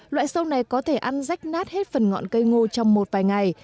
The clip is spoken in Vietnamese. loại sâu này có thể ăn rách nát hết phần ngọn cây ngô trong một vài ngày